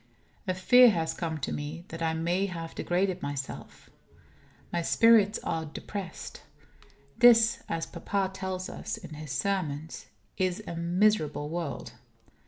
A fear has come to me that I may have degraded myself. My spirits are depressed. This, as papa tells us in his sermons, is a miserable world.